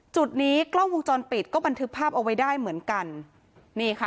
จุดนี้กล้องวงจรปิดก็บันทึกภาพเอาไว้ได้เหมือนกันนี่ค่ะ